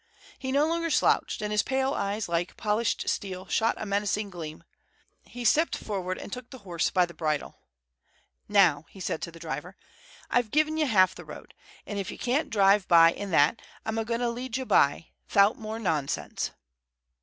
He no longer slouched, and his pale eyes, like polished steel, shot a menacing gleam. He stepped forward and took the horse by the bridle. "Now," said he to the driver, "I've gi'n ye half the road, an' if ye can't drive by in that I'm a going to lead ye by, 'thout no more nonsense."